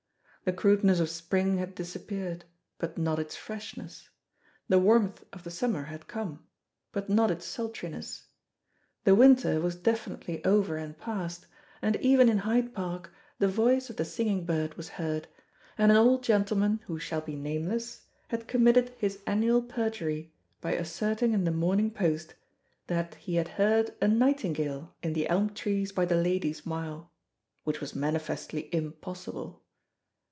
The crudeness of spring had disappeared, but not its freshness; the warmth of the summer had come, but not its sultriness; the winter was definitely over and past, and even in Hyde Park the voice of the singing bird was heard, and an old gentleman, who shall be nameless, had committed his annual perjury by asserting in the Morning Post that he had heard a nightingale in the elm trees by the Ladies' Mile, which was manifestly impossible.